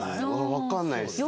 わかんないですね。